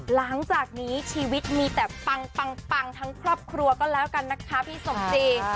หลังจากนี้ชีวิตมีแต่ปังปังทั้งครอบครัวก็แล้วกันนะคะพี่สมจี